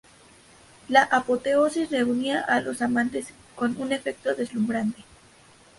La apoteosis reunía a los amantes con un efecto deslumbrante.